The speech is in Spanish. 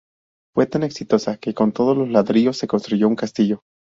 Fue tan exitosa, que con todos los ladrillos se construyó un castillo.